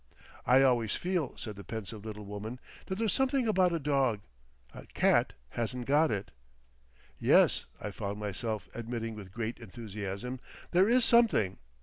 "I always feel," said the pensive little woman, "that there's something about a dog—A cat hasn't got it." "Yes," I found myself admitting with great enthusiasm, "there is something.